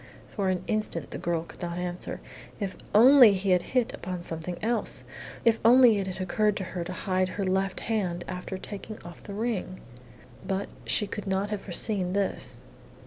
For an instant the girl could not answer. If only he had hit upon something else. If only it had occurred to her to hide her left hand after taking off the ring! But she could not have foreseen this.